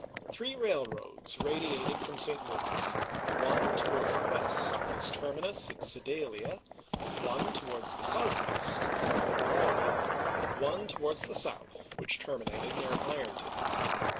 Three railroads radiated from St. Louis — one towards the west, with its terminus at Sedalia; one towards the southwest, ending at Rolla; one towards the south, which terminated near Ironton.